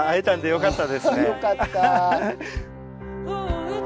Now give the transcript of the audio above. よかった。